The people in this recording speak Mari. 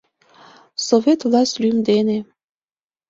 «Совет власть лӱм дене...»